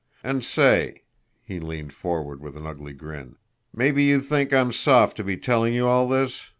And say" he leaned forward with an ugly grin "mabbe you think I'm soft to be telling you all this?